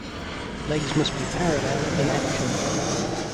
Legs must be parallel in action.